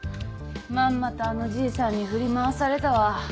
まんまとあのじいさんに振り回されたわ。